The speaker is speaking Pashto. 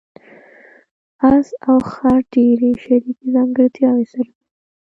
اس او خر ډېرې شریکې ځانګړتیاوې سره لري.